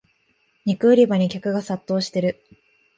肉売り場に客が殺到してる